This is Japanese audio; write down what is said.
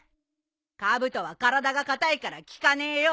カブトは体が硬いから効かねえよ。